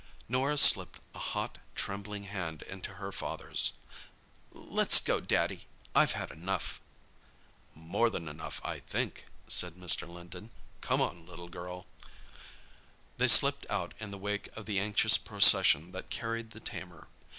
Norah slipped a hot, trembling hand into her father's. "Let's go, Daddy—I've had enough." "More than enough, I think," said Mr. Linton. "Come on, little girl." They slipped out in the wake of the anxious procession that carried the tamer.